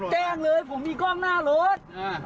แจ้งเลยผมมีกล้องหน้ารถ